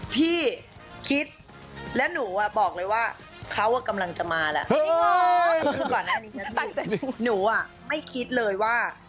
พี่คิดแล้วหนูอ่ะบอกเลยว่าเขากำลังจะมาแล้ว